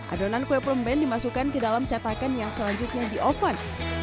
adonan kue prumben dimasukkan ke dalam catakan yang selanjutnya di oven